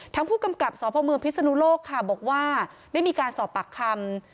ผู้กำกับสพมพิศนุโลกค่ะบอกว่าได้มีการสอบปากคำ